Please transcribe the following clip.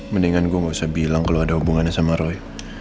mendingan gue gak usah bilang kalau ada hubungannya sama roy